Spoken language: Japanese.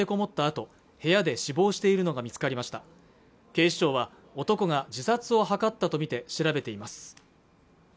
警視庁は男が自殺を図ったとみて調べています